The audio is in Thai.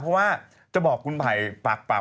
เพราะว่าจะบอกคุณไผ่ฝากปาก